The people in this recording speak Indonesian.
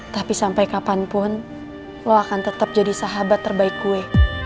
tapi sampai kapanpun lo akan tetap jadi sahabat terbaikku